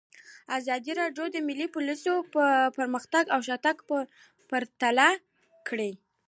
ازادي راډیو د مالي پالیسي پرمختګ او شاتګ پرتله کړی.